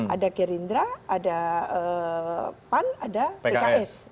ada gerindra ada pan ada pks